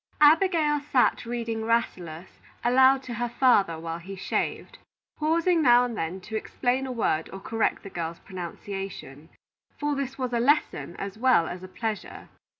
Abigail sat reading "Rasselas" aloud to her father while he shaved, pausing now and then to explain a word or correct the girl's pronunciation; for this was a lesson, as well as a pleasure.